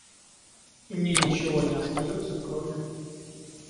И мне ничего не остается, кроме...